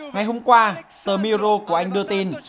ngày hôm qua tờ miro của anh đưa tin